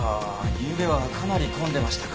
ゆうべはかなり混んでましたから。